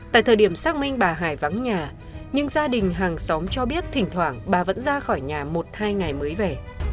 tại thời điểm xác minh bà hải vắng nhà nhưng gia đình hàng xóm cho biết thỉnh thoảng bà vẫn ra khỏi nhà một hai ngày mới về